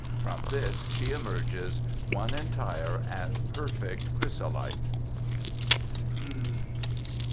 From this she emerges ^^ one entire and perfect chrjrsolite.